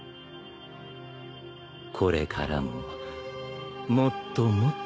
これからももっともっと強くなる。